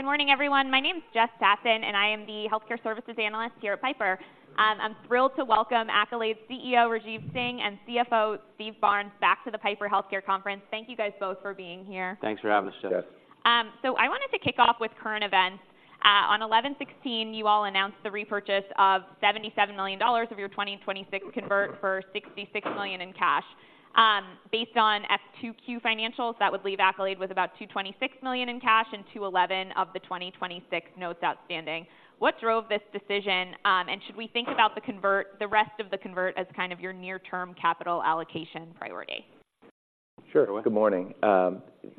Good morning, everyone. My name is Jessica Tassan, and I am the healthcare services analyst here at Piper. I'm thrilled to welcome Accolade CEO, Rajeev Singh, and CFO, Steve Barnes, back to the Piper Healthcare Conference. Thank you guys both for being here. Thanks for having us, Jess. Yes. So I wanted to kick off with current events. On 11/16, you all announced the repurchase of $77 million of your 2026 convert for $66 million in cash. Based on 2Q financials, that would leave Accolade with about $226 million in cash and $211 million of the 2026 notes outstanding. What drove this decision, and should we think about the convert, the rest of the convert as kind of your near-term capital allocation priority? Sure. Good morning.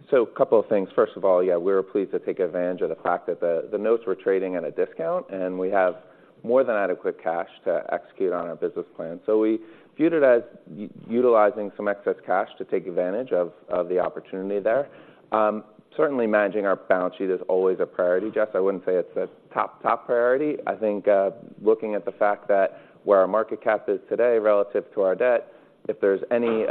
So a couple of things. First of all,, we were pleased to take advantage of the fact that the notes were trading at a discount, and we have more than adequate cash to execute on our business plan. So we viewed it as utilizing some excess cash to take advantage of the opportunity there. Certainly managing our balance sheet is always a priority, Jess. I wouldn't say it's a top, top priority. I think, looking at the fact that where our market cap is today relative to our debt, if there's any,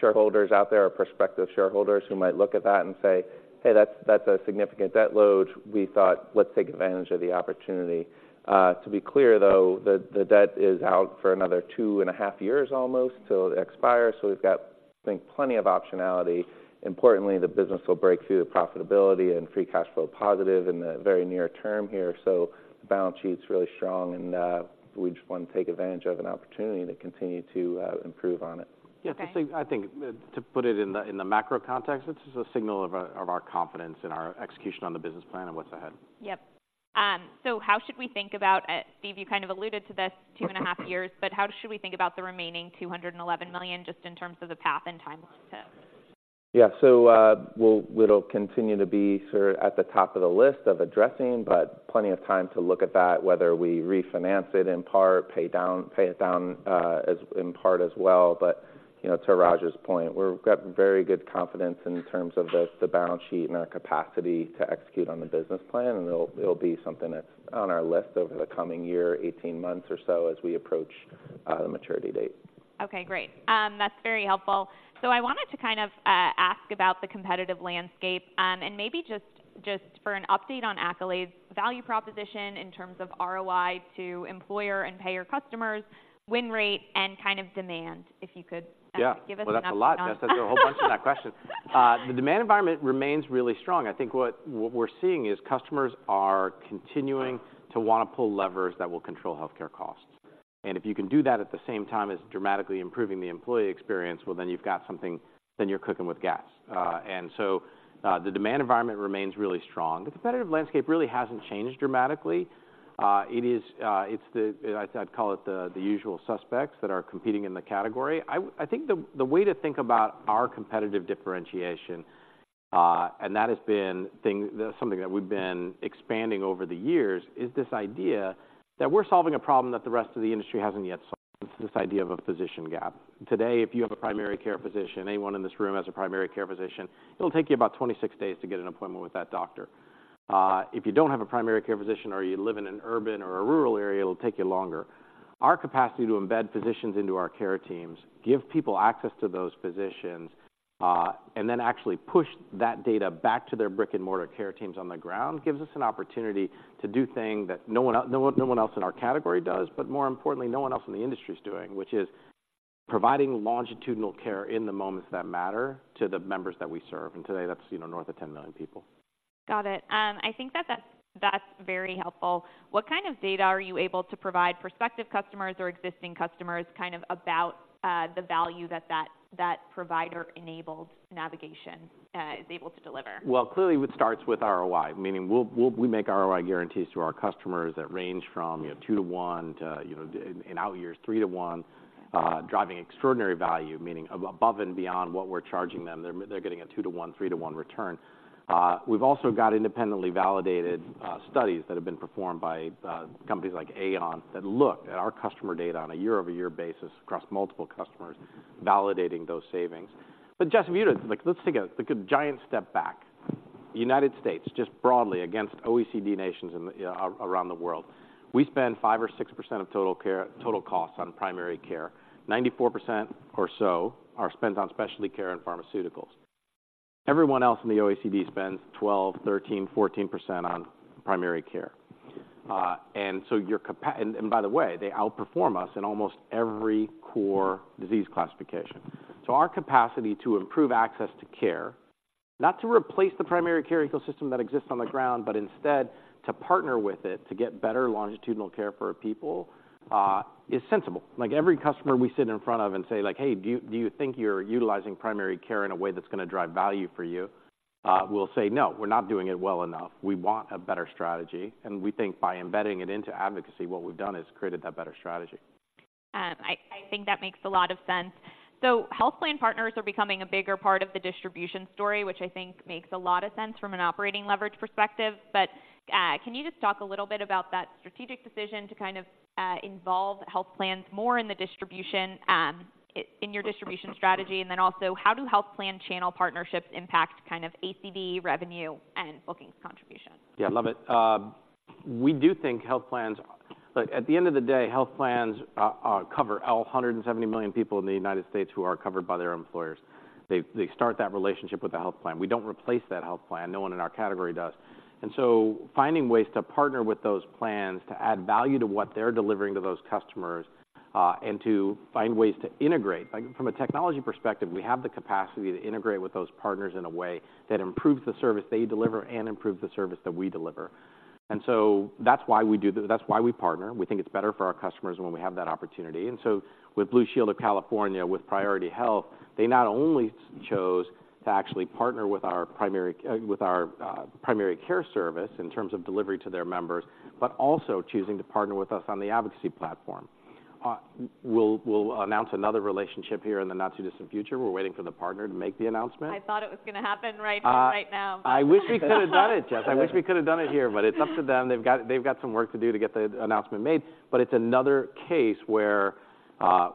shareholders out there or prospective shareholders who might look at that and say, "Hey, that's, that's a significant debt load," we thought, "Let's take advantage of the opportunity." To be clear, though, the debt is out for another two and a half years, almost, till it expires, so we've got, I think, plenty of optionality. Importantly, the business will break through to profitability and free cash flow positive in the very near term here, so the balance sheet's really strong, and, we just want to take advantage of an opportunity to continue to, improve on it. Okay., so I think to put it in the, in the macro context, this is a signal of our, of our confidence in our execution on the business plan and what's ahead. Yep. So how should we think about, Steve, you kind of alluded to this 2.5 years, but how should we think about the remaining $211 million just in terms of the path and timeline to? So, it'll continue to be sort of at the top of the list of addressing, but plenty of time to look at that, whether we refinance it in part, pay down, pay it down, in part as well. But, you know, to Raj's point, we've got very good confidence in terms of the balance sheet and our capacity to execute on the business plan, and it'll be something that's on our list over the coming year, 18 months or so, as we approach the maturity date. Okay, great. That's very helpful. So I wanted to kind of ask about the competitive landscape, and maybe just for an update on Accolade's value proposition in terms of ROI to employer and payer customers, win rate, and kind of demand, if you could give an update on. Well, that's a lot, Jess. There's a whole bunch in that question. The demand environment remains really strong. I think what we're seeing is customers are continuing to want to pull levers that will control healthcare costs. And if you can do that at the same time as dramatically improving the employee experience, well, then you've got something, then you're cooking with gas. The demand environment remains really strong. The competitive landscape really hasn't changed dramatically. I'd call it the usual suspects that are competing in the category. I think the way to think about our competitive differentiation, and that's something that we've been expanding over the years, is this idea that we're solving a problem that the rest of the industry hasn't yet solved, this idea of a physician gap. Today, if you have a primary care physician, anyone in this room has a primary care physician, it'll take you about 26 days to get an appointment with that doctor. If you don't have a primary care physician or you live in an urban or a rural area, it'll take you longer. Our capacity to embed physicians into our care teams, give people access to those physicians, and then actually push that data back to their brick-and-mortar care teams on the ground, gives us an opportunity to do things that no one else in our category does, but more importantly, no one else in the industry is doing, which is providing longitudinal care in the moments that matter to the members that we serve, and today that's, you know, north of 10 million people. Got it. I think that's very helpful. What kind of data are you able to provide prospective customers or existing customers, kind of about the value that provider-enabled navigation is able to deliver? Well, clearly, it starts with ROI, meaning we'll, we make ROI guarantees to our customers that range from, you know, 2-to-1 to, you know, in out years, 3-to-1, driving extraordinary value, meaning above and beyond what we're charging them. They're, they're getting a 2-to-1, 3-to-1 return. We've also got independently validated studies that have been performed by companies like Aon, that look at our customer data on a year-over-year basis across multiple customers, validating those savings. But Jess, if you, like, let's take a, like, a giant step back. United States, just broadly against OECD nations in the around the world, we spend 5% or 6% of total costs on primary care. 94% or so are spent on specialty care and pharmaceuticals. Everyone else in the OECD spends 12, 13, 14% on primary care. And by the way, they outperform us in almost every core disease classification. So our capacity to improve access to care, not to replace the primary care ecosystem that exists on the ground, but instead to partner with it, to get better longitudinal care for people, is sensible. Like, every customer we sit in front of and say, like: "Hey, do you, do you think you're utilizing primary care in a way that's going to drive value for you?" We'll say: "No, we're not doing it well enough. We want a better strategy," and we think by embedding it into advocacy, what we've done is created that better strategy. I think that makes a lot of sense. So health plan partners are becoming a bigger part of the distribution story, which I think makes a lot of sense from an operating leverage perspective. But, can you just talk a little bit about that strategic decision to kind of involve health plans more in the distribution in your distribution strategy? And then also, how do health plan channel partnerships impact kind of ACV revenue and bookings contribution? ,Love it. We do think health plans, like, at the end of the day, health plans cover 170 million people in the United States who are covered by their employers. They, they start that relationship with a health plan. We don't replace that health plan. No one in our category does. And so finding ways to partner with those plans to add value to what they're delivering to those customers, and to find ways to integrate. Like, from a technology perspective, we have the capacity to integrate with those partners in a way that improves the service they deliver and improves the service that we deliver. And so that's why we do—that's why we partner. We think it's better for our customers when we have that opportunity. And so with Blue Shield of California, with Priority Health, they not only chose to actually partner with our primary care service in terms of delivery to their members, but also choosing to partner with us on the advocacy platform. We'll announce another relationship here in the not-too-distant future. We're waiting for the partner to make the announcement. I thought it was gonna happen right, right now. I wish we could have done it, Jess. I wish we could have done it here, but it's up to them. They've got, they've got some work to do to get the announcement made, but it's another case where,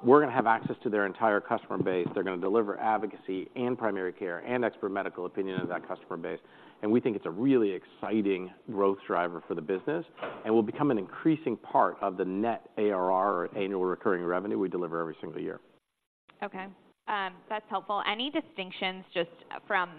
we're gonna have access to their entire customer base. They're gonna deliver advocacy and primary care and expert medical opinion to that customer base, and we think it's a really exciting growth driver for the business and will become an increasing part of the net ARR or annual recurring revenue we deliver every single year. Okay, that's helpful. Any distinctions just from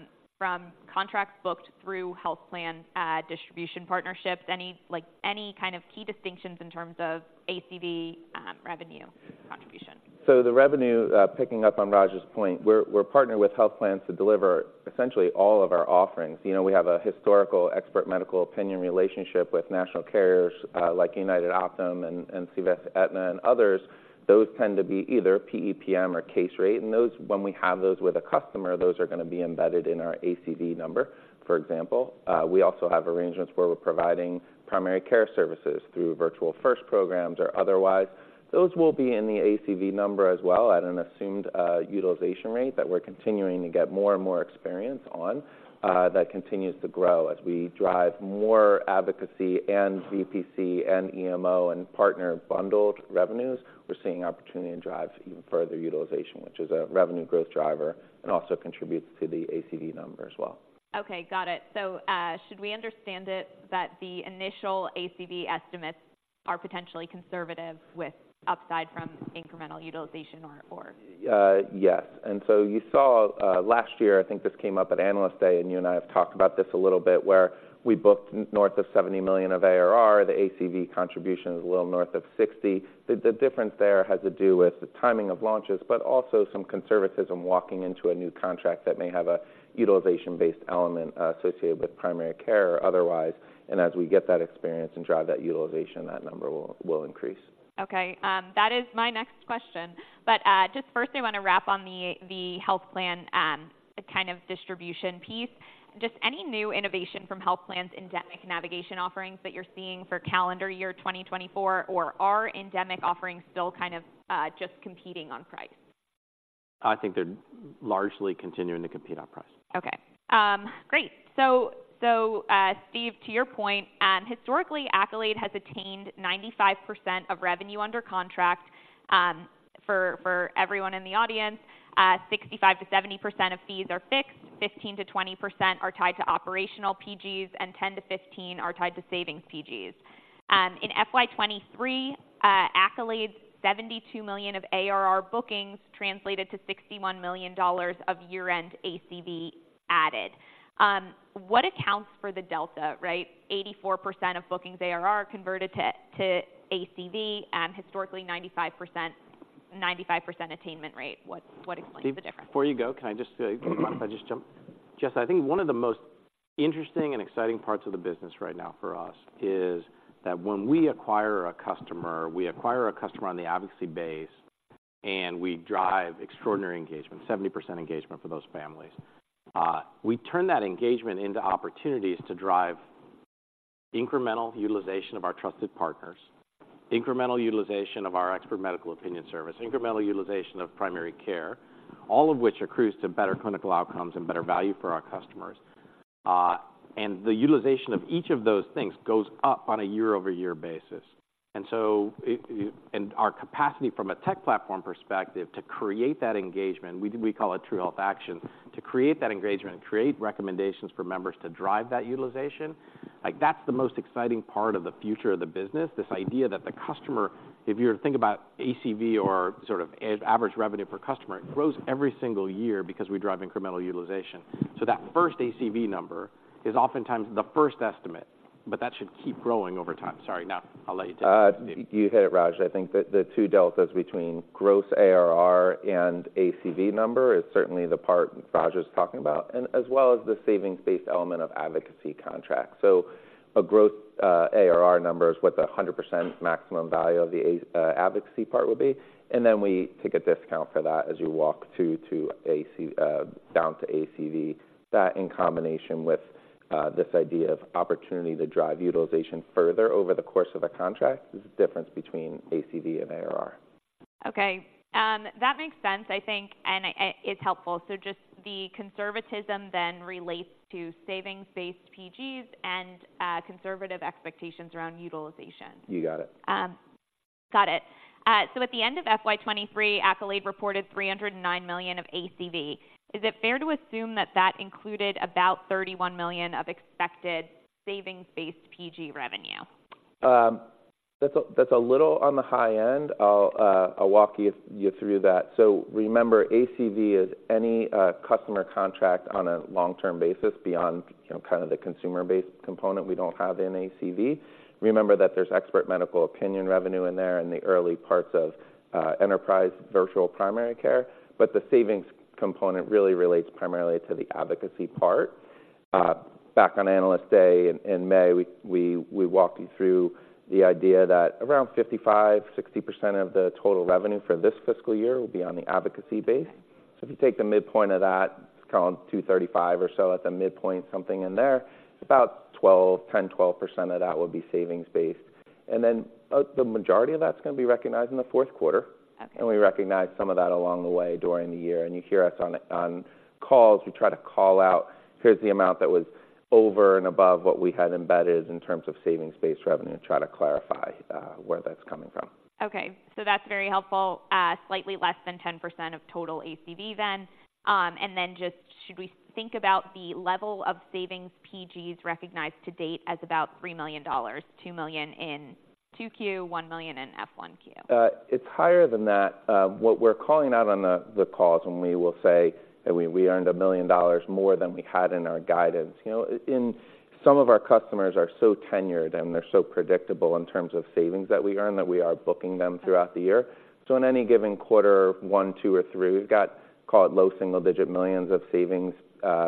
contracts booked through health plan distribution partnerships? Any, like, any kind of key distinctions in terms of ACV, revenue contribution? So the revenue, picking up on Raj's point, we're partnered with health plans to deliver essentially all of our offerings. You know, we have a historical expert medical opinion relationship with national carriers, like United, Optum, and CVS, Aetna, and others. Those tend to be either PEPM or case rate, and those, when we have those with a customer, those are gonna be embedded in our ACV number. For example, we also have arrangements where we're providing primary care services through virtual first programs or otherwise. Those will be in the ACV number as well, at an assumed utilization rate that we're continuing to get more and more experience on, that continues to grow. As we drive more advocacy and VPC and EMO and partner bundled revenues, we're seeing opportunity to drive even further utilization, which is a revenue growth driver and also contributes to the ACV number as well. Okay, got it. So, should we understand it that the initial ACV estimates are potentially conservative with upside from incremental utilization or...? Yes, and so you saw last year, I think this came up at Analyst Day, and you and I have talked about this a little bit, where we booked north of $70 million of ARR, the ACV contribution is a little north of $60 million. The difference there has to do with the timing of launches, but also some conservatism walking into a new contract that may have a utilization-based element associated with primary care or otherwise, and as we get that experience and drive that utilization, that number will increase. Okay, that is my next question, but just firstly, I want to wrap on the health plan kind of distribution piece. Just any new innovation from health plans' endemic navigation offerings that you're seeing for calendar year 2024, or are endemic offerings still kind of just competing on price? I think they're largely continuing to compete on price. Okay, great. So, Steve, to your point, historically, Accolade has attained 95% of revenue under contract. For everyone in the audience, 65%-70% of fees are fixed, 15%-20% are tied to operational PGs, and 10%-15% are tied to savings PGs. In FY 2023, Accolade, $72 million of ARR bookings translated to $61 million of year-end ACV added. What accounts for the delta, right? 84% of bookings ARR converted to ACV, historically, 95%, 95% attainment rate. What explains the difference? Before you go, can I just, if I just jump? Jess, I think one of the most interesting and exciting parts of the business right now for us is that when we acquire a customer, we acquire a customer on the advocacy base, and we drive extraordinary engagement, 70% engagement for those families. We turn that engagement into opportunities to drive incremental utilization of our trusted partners, incremental utilization of our expert medical opinion service, incremental utilization of primary care, all of which accrues to better clinical outcomes and better value for our customers. And the utilization of each of those things goes up on a year-over-year basis. And so, it, it... Our capacity from a tech platform perspective to create that engagement, we call it True Health Action, to create that engagement, create recommendations for members to drive that utilization, like, that's the most exciting part of the future of the business. This idea that the customer, if you think about ACV or sort of average revenue per customer, it grows every single year because we drive incremental utilization. So that first ACV number is oftentimes the first estimate, but that should keep growing over time. Sorry, now I'll let you take it, Steve. You hit it, Raj. I think that the two deltas between gross ARR and ACV number is certainly the part Raj is talking about, and as well as the savings-based element of advocacy contracts. So a gross ARR number is what the 100% maximum value of the advocacy part would be, and then we take a discount for that as you walk through to AC down to ACV. That, in combination with this idea of opportunity to drive utilization further over the course of a contract, is the difference between ACV and ARR. Okay, that makes sense, I think, and, it's helpful. So just the conservatism then relates to savings-based PGs and, conservative expectations around utilization. You got it. Got it. So at the end of FY 2023, Accolade reported $309 million of ACV. Is it fair to assume that that included about $31 million of expected savings-based PG revenue? That's a little on the high end. I'll walk you through that. So remember, ACV is any customer contract on a long-term basis beyond, you know, kind of the consumer-based component we don't have in ACV. Remember that there's expert medical opinion revenue in there in the early parts of enterprise virtual primary care, but the savings component really relates primarily to the advocacy part. Back on Analyst Day in May, we walked you through the idea that around 55%-60% of the total revenue for this fiscal year will be on the advocacy base. So if you take the midpoint of that, let's call it $235 or so at the midpoint, something in there, it's about 10%-12% of that will be savings-based. And then, the majority of that's gonna be recognized in the fourth quarter. Okay. We recognize some of that along the way during the year. And you hear us on calls, we try to call out, "Here's the amount that was over and above what we had embedded in terms of savings-based revenue," and try to clarify where that's coming from. Okay. So that's very helpful, slightly less than 10% of total ACV then. And then just should we think about the level of savings PGs recognized to date as about $3 million, $2 million in 2Q, $1 million in FY 1Q? It's higher than that. What we're calling out on the calls when we will say that we earned $1 million more than we had in our guidance. You know, in some of our customers are so tenured, and they're so predictable in terms of savings that we earn that we are booking them throughout the year. So in any given quarter, one, two, or three, we've got, call it, low single-digit millions of savings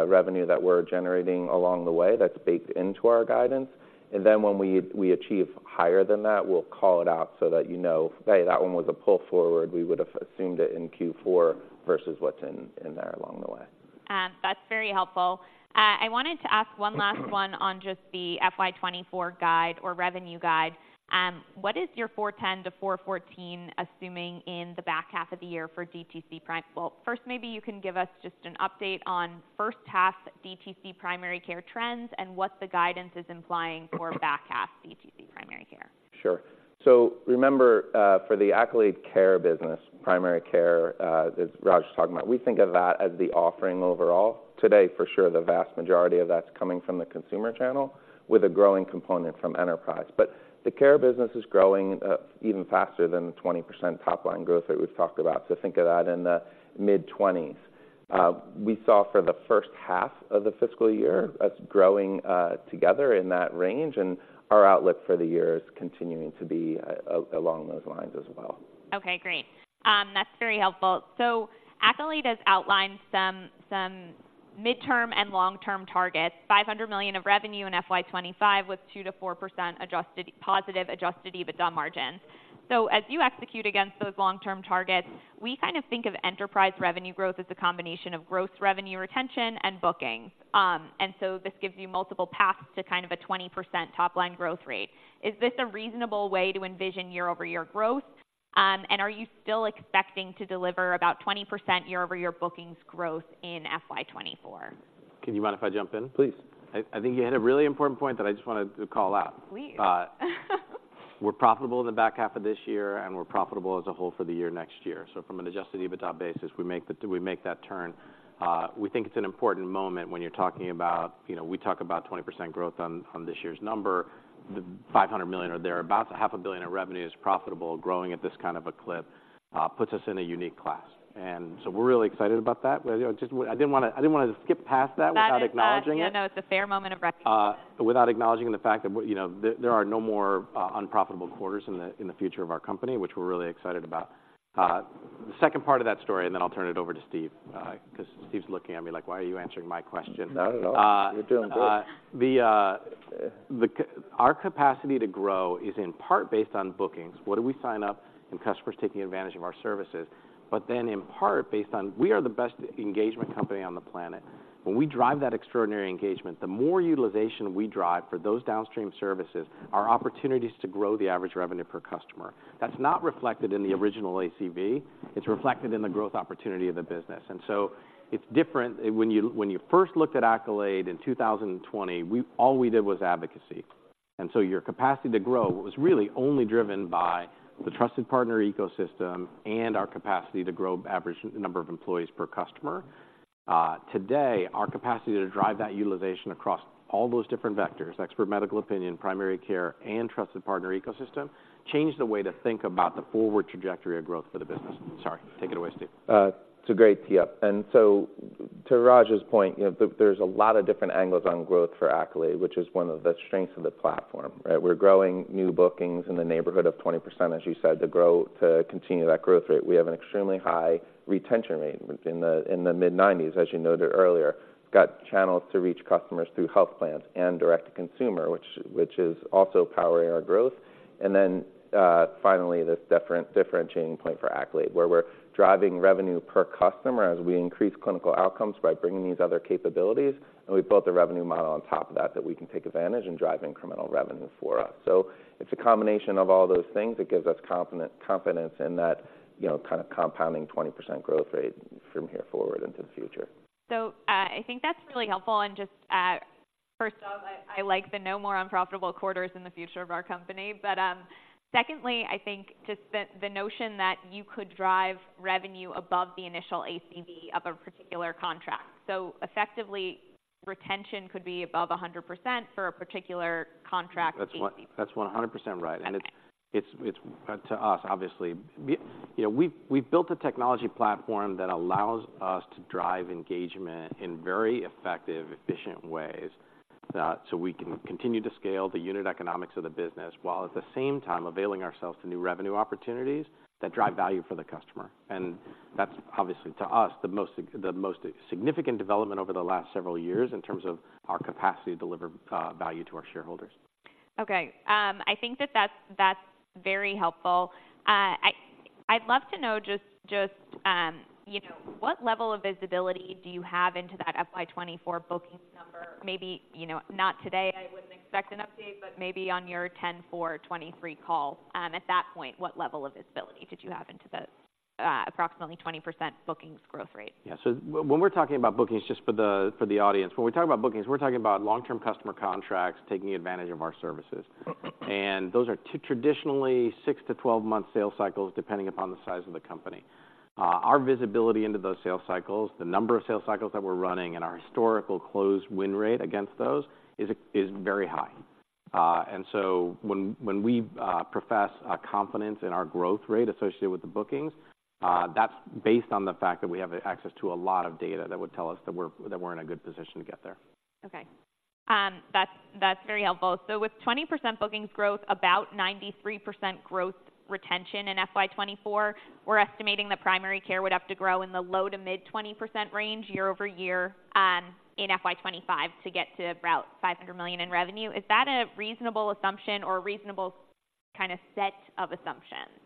revenue that we're generating along the way that's baked into our guidance. And then when we achieve higher than that, we'll call it out so that you know, "Hey, that one was a pull forward. We would have assumed it in Q4 versus what's in there along the way. That's very helpful. I wanted to ask one last one on just the FY 2024 guide or revenue guide. What is your $410-$414, assuming in the back half of the year for DTC primary? Well, first, maybe you can give us just an update on first half DTC primary care trends and what the guidance is implying for back half DTC primary care. Sure. So remember, for the Accolade Care business, primary care, as Raj was talking about, we think of that as the offering overall. Today, for sure, the vast majority of that's coming from the consumer channel, with a growing component from enterprise. But the care business is growing, even faster than the 20% top line growth rate we've talked about. So think of that in the mid-20s. We saw for the first half of the fiscal year, us growing, together in that range, and our outlook for the year is continuing to be along those lines as well. Okay, great. That's very helpful. So Accolade has outlined some midterm and long-term targets, $500 million of revenue in FY 2025, with 2%-4% positive adjusted EBITDA margins. So as you execute against those long-term targets, we kind of think of enterprise revenue growth as a combination of growth, revenue, retention, and bookings. And so this gives you multiple paths to kind of a 20% top line growth rate. Is this a reasonable way to envision year-over-year growth? And are you still expecting to deliver about 20% year-over-year bookings growth in FY 2024? Do you mind if I jump in? Please. I think you hit a really important point that I just wanted to call out. Please. We're profitable in the back half of this year, and we're profitable as a whole for the year next year. So from an Adjusted EBITDA basis, we make that turn. We think it's an important moment when you're talking about... You know, we talk about 20% growth on this year's number. The $500 million are there. About $500 million of revenue is profitable. Growing at this kind of a clip puts us in a unique class, and so we're really excited about that. But, you know, I didn't wanna, I didn't wanna skip past that without acknowledging it. That is,, no, it's a fair moment of recognition. Without acknowledging the fact that, you know, there are no more unprofitable quarters in the future of our company, which we're really excited about. The second part of that story, and then I'll turn it over to Steve, because Steve's looking at me like: "Why are you answering my question? Not at all. You're doing good. Our capacity to grow is in part based on bookings. What do we sign up, and customers taking advantage of our services, but then in part, based on we are the best engagement company on the planet. When we drive that extraordinary engagement, the more utilization we drive for those downstream services, are opportunities to grow the average revenue per customer. That's not reflected in the original ACV, it's reflected in the growth opportunity of the business. And so it's different. When you first looked at Accolade in 2020, all we did was advocacy. And so your capacity to grow was really only driven by the trusted partner ecosystem and our capacity to grow average number of employees per customer. Today, our capacity to drive that utilization across all those different vectors, expert medical opinion, primary care, and trusted partner ecosystem, changed the way to think about the forward trajectory of growth for the business. Sorry. Take it away, Steve. It's a great tee up. And so to Raj's point, you know, there's a lot of different angles on growth for Accolade, which is one of the strengths of the platform, right? We're growing new bookings in the neighborhood of 20%, as you said, to grow, to continue that growth rate. We have an extremely high retention rate in the mid-90s%, as you noted earlier. Got channels to reach customers through health plans and direct to consumer, which is also powering our growth. And then, finally, this differentiating point for Accolade, where we're driving revenue per customer as we increase clinical outcomes by bringing these other capabilities, and we built a revenue model on top of that, that we can take advantage and drive incremental revenue for us. It's a combination of all those things that gives us confidence in that, you know, kind of compounding 20% growth rate from here forward into the future. So, I think that's really helpful. And just, First off, I like the no more unprofitable quarters in the future of our company. But, secondly, I think just the notion that you could drive revenue above the initial ACV of a particular contract. So effectively, retention could be above 100% for a particular contract ACV. That's one, that's 100% right. Okay. And it's to us, obviously, you know, we've built a technology platform that allows us to drive engagement in very effective, efficient ways, so we can continue to scale the unit economics of the business, while at the same time availing ourselves to new revenue opportunities that drive value for the customer. And that's obviously, to us, the most significant development over the last several years in terms of our capacity to deliver value to our shareholders. Okay. I think that's very helpful. I'd love to know just you know, what level of visibility do you have into that FY 2024 bookings number? Maybe, you know, not today, I wouldn't expect an update, but maybe on your 10/4/2023 call. At that point, what level of visibility did you have into the approximately 20% bookings growth rate?. So when we're talking about bookings, just for the audience, when we talk about bookings, we're talking about long-term customer contracts taking advantage of our services. And those are traditionally 6-12-month sales cycles, depending upon the size of the company. Our visibility into those sales cycles, the number of sales cycles that we're running, and our historical close win rate against those is very high. And so when we profess a confidence in our growth rate associated with the bookings, that's based on the fact that we have access to a lot of data that would tell us that we're in a good position to get there. Okay. That's, that's very helpful. So with 20% bookings growth, about 93% gross retention in FY 2024, we're estimating that primary care would have to grow in the low-to-mid 20% range year-over-year in FY 2025 to get to about $500 million in revenue. Is that a reasonable assumption or a reasonable kind of set of assumptions?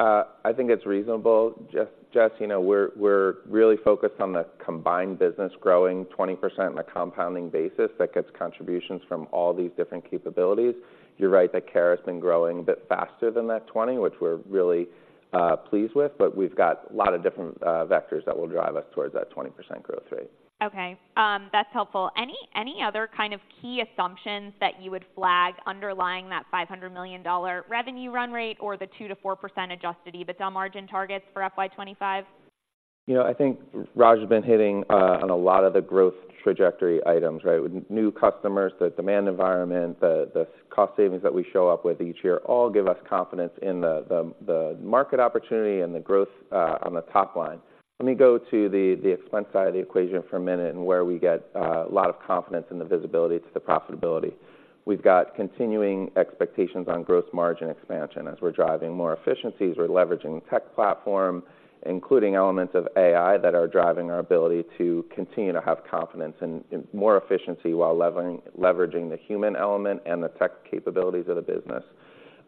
I think it's reasonable. Jess, Jess, you know, we're, we're really focused on the combined business growing 20% on a compounding basis that gets contributions from all these different capabilities. You're right that care has been growing a bit faster than that 20, which we're really pleased with, but we've got a lot of different vectors that will drive us towards that 20% growth rate. Okay. That's helpful. Any other kind of key assumptions that you would flag underlying that $500 million revenue run rate or the 2%-4% adjusted EBITDA margin targets for FY 2025? You know, I think Raj has been hitting on a lot of the growth trajectory items, right? New customers, the demand environment, the cost savings that we show up with each year, all give us confidence in the market opportunity and the growth on the top line. Let me go to the expense side of the equation for a minute, and where we get a lot of confidence in the visibility to the profitability. We've got continuing expectations on gross margin expansion. As we're driving more efficiencies, we're leveraging the tech platform, including elements of AI that are driving our ability to continue to have confidence in more efficiency, while leveraging the human element and the tech capabilities of the business.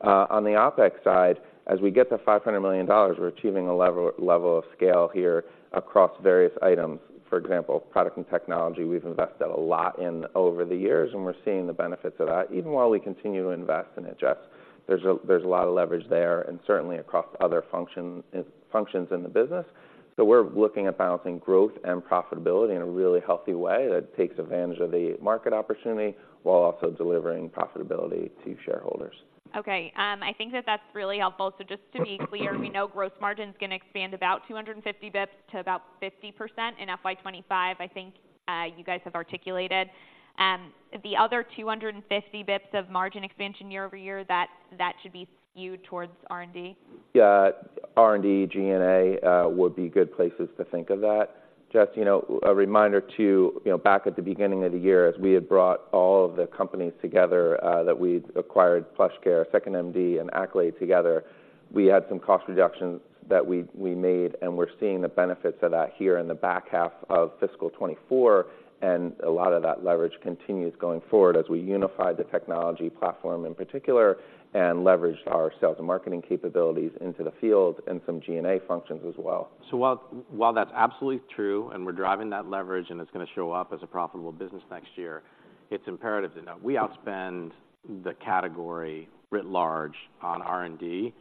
On the OpEx side, as we get to $500 million, we're achieving a level of scale here across various items. For example, product and technology, we've invested a lot in over the years, and we're seeing the benefits of that. Even while we continue to invest and adjust, there's a lot of leverage there, and certainly across other function, functions in the business. So we're looking at balancing growth and profitability in a really healthy way that takes advantage of the market opportunity, while also delivering profitability to shareholders. Okay. I think that that's really helpful. So just to be clear, we know gross margin is gonna expand about 250 basis points to about 50% in FY 2025. I think, you guys have articulated, the other 250 basis points of margin expansion year-over-year, that, that should be skewed towards R&D? R&D, G&A would be good places to think of that. Jess, you know, a reminder too, you know, back at the beginning of the year, as we had brought all of the companies together that we'd acquired, 2nd.MD, and Accolade together, we had some cost reductions that we, we made, and we're seeing the benefits of that here in the back half of fiscal 2024, and a lot of that leverage continues going forward as we unify the technology platform in particular, and leverage our sales and marketing capabilities into the field and some G&A functions as well. So while that's absolutely true, and we're driving that leverage, and it's gonna show up as a profitable business next year, it's imperative to note we outspend the category writ large on R&D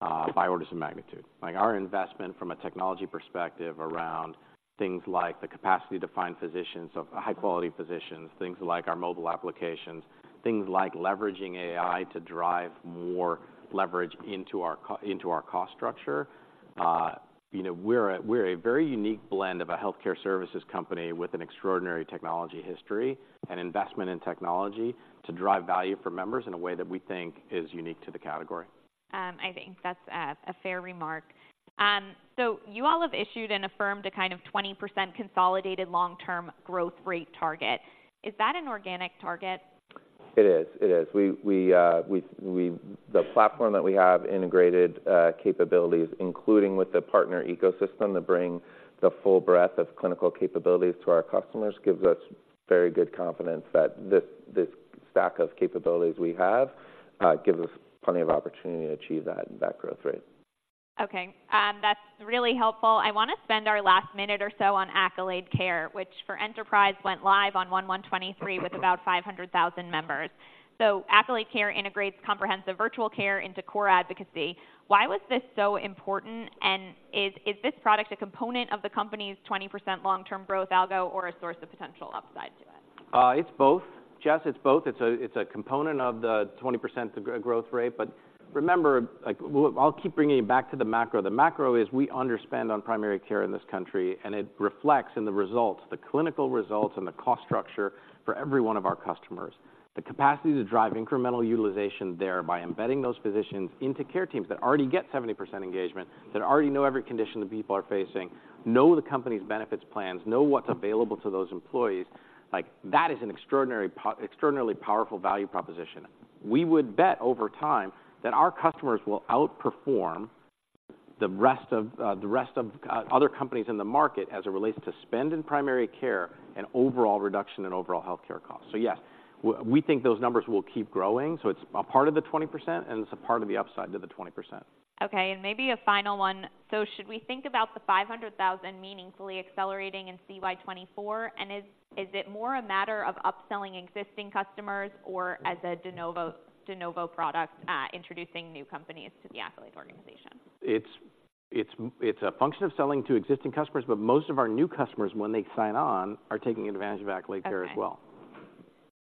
by orders of magnitude. Like, our investment from a technology perspective around things like the capacity to find physicians of high quality physicians, things like our mobile applications, things like leveraging AI to drive more leverage into our cost structure. You know, we're a very unique blend of a healthcare services company with an extraordinary technology history and investment in technology to drive value for members in a way that we think is unique to the category. I think that's a fair remark. So you all have issued and affirmed a kind of 20% consolidated long-term growth rate target. Is that an organic target? It is. It is. We... The platform that we have, integrated capabilities, including with the partner ecosystem, that bring the full breadth of clinical capabilities to our customers, gives us very good confidence that this stack of capabilities we have gives us plenty of opportunity to achieve that growth rate. Okay. That's really helpful. I wanna spend our last minute or so on Accolade Care, which for Enterprise went live on 1/1/2023 with about 500,000 members. Accolade Care integrates comprehensive virtual care into core advocacy. Why was this so important, and is this product a component of the company's 20% long-term growth algo or a source of potential upside to it? It's both. Jess, it's both. It's a, it's a component of the 20% growth rate, but remember, like, I'll keep bringing it back to the macro. The macro is we underspend on primary care in this country, and it reflects in the results, the clinical results and the cost structure for every one of our customers. The capacity to drive incremental utilization there by embedding those physicians into care teams that already get 70% engagement, that already know every condition the people are facing, know the company's benefits plans, know what's available to those employees, like, that is an extraordinarily powerful value proposition. We would bet over time that our customers will outperform the rest of, the rest of, other companies in the market as it relates to spend in primary care and overall reduction in overall healthcare costs. So yes, we think those numbers will keep growing, so it's a part of the 20%, and it's a part of the upside to the 20%. Okay, and maybe a final one. So should we think about the 500,000 meaningfully accelerating in CY 2024, and is it more a matter of upselling existing customers or as a de novo product, introducing new companies to the Accolade organization? It's a function of selling to existing customers, but most of our new customers, when they sign on, are taking advantage of Accolade Care as well. Okay.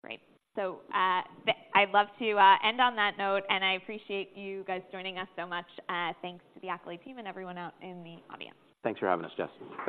Great. So, I'd love to end on that note, and I appreciate you guys joining us so much. Thanks to the Accolade team and everyone out in the audience. Thanks for having us, Jess. Thanks.